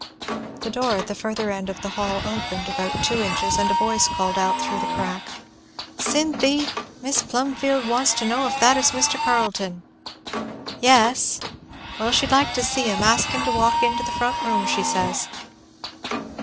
The door at the further end of the hall opened about two inches and a voice called out through the crack, "Cynthy! Mis' Plumfield wants to know if that is Mr. Carleton?" "Yes." "Well she'd like to see him. Ask him to walk into the front room, she says."